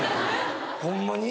ホンマに？